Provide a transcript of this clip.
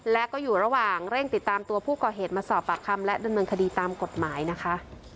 และก็อยู่ระหว่างเร่งติดตามตัวผู้ก่อเหตุมาสอบปากคำและดำเนินคดีตามกฎหมายนะคะ